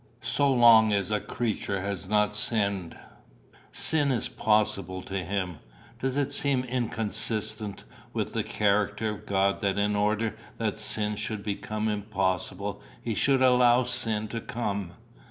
So long as a creature has not sinned, sin is possible to him. Does it seem inconsistent with the character of God that in order that sin should become impossible he should allow sin to come?